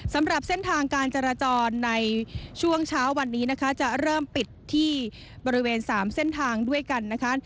สำหรับเส้นทางการจราจรในช่วงเช้าวันนี้นะคะจะเริ่มปิดที่บริเวณ๓เส้นทางด้วยกันนะคะ